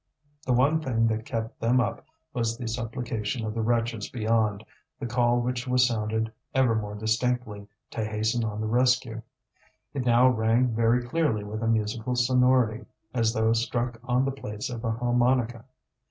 The one thing that kept them up was the supplication of the wretches beyond, the call which was sounded ever more distinctly to hasten on the rescue. It now rang very clearly with a musical sonority, as though struck on the plates of a harmonica.